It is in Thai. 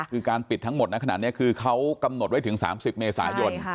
คือการปิดทั้งหมดนะขนาดนี้คือเขากำหนดไว้ถึง๓๐เมษายน